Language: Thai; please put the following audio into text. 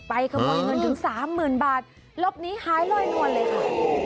ไปขบวนเงินถึงสามหมื่นบาทลบนี้หายลอยนวนเลยค่ะ